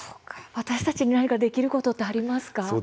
私たちになにかできることはありますか。